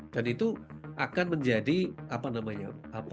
dan itu akan menjadi apa namanya